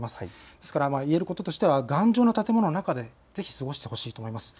ですから言えることとしては頑丈な建物の中でぜひ過ごしてほしいと思います。